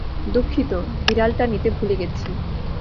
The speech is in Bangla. দুঃখিত, বিড়ালটা নিতে ভুলে গেছি।